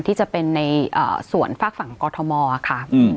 ที่จะเป็นในส่วนฝากฝั่งกอทมค่ะ